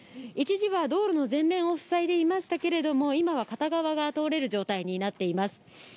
一時は道路の全面を塞いでいましたけれども、今は片側が通れる状態になっています。